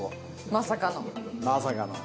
まさかの。